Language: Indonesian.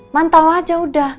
mantel aja udah